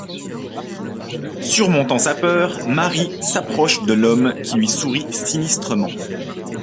Surmontant sa peur, Mary s'approche de l'homme qui lui sourit sinistrement.